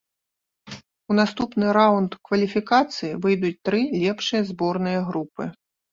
У наступны раўнд кваліфікацыі выйдуць тры лепшыя зборныя групы.